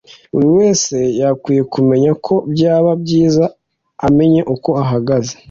buri wese yakwiye kumenya ko byaba byiza amenye uko ahagaze”